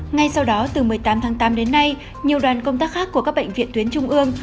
ngay sau đó từ một mươi tám tháng tám đến nay nhiều đoàn công tác khác của các bệnh viện tuyến trung ương